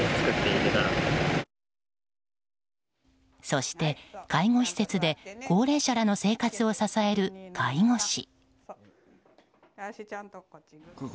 そして、介護施設で高齢者らの生活を支える介護士。